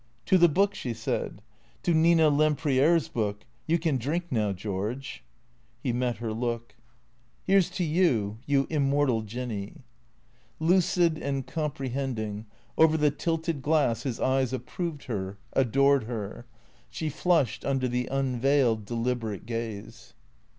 " To the Book !" she said. " To Nina Lempriere's book ! You can drink now, George." He met her look. 290 THE CEEA TORS " Here 's to you. You immortal Jinny." Lucid and comprehending, over tlie tilted glass his eyes ap proved her, adored her. She flushed under the unveiled, delib erate gaze.